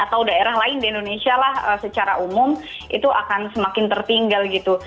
atau daerah lain di indonesia lah secara umum itu akan semakin tertinggal gitu